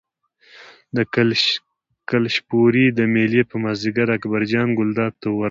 د کلشپورې د مېلې په مازدیګر اکبرجان ګلداد ته ورغی.